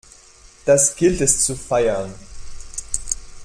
Das gilt es zu feiern!